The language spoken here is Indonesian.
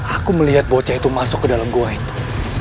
aku melihat bocah itu masuk ke dalam gua itu